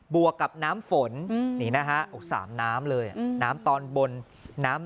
วกกับน้ำฝนนี่นะฮะสามน้ำเลยน้ำตอนบนน้ำ